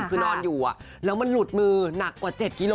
คือนอนอยู่แล้วมันหลุดมือหนักกว่า๗กิโล